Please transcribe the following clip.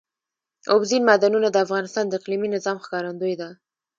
اوبزین معدنونه د افغانستان د اقلیمي نظام ښکارندوی ده.